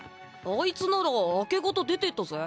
あいつなら明け方出てったぜ。